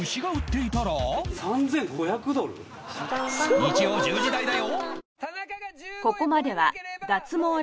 日曜１０時台だよ